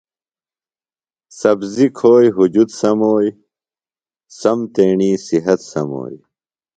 سبزیۡ کُھوئی ہُجت سموئی، سم تیݨی صحت سموئی